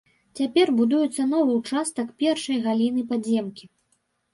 Цяпер будуецца новы ўчастак першай галіны падземкі.